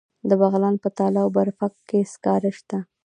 د بغلان په تاله او برفک کې سکاره شته.